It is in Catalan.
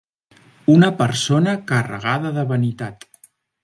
Una persona carregada de vanitat.